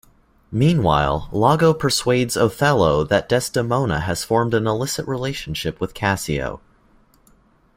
Meanwhile, Iago persuades Othello that Desdemona has formed an illicit relationship with Cassio.